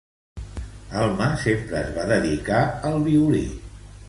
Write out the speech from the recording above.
Alma sempre es va dedicar al violí.